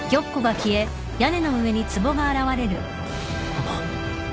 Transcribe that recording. あっ。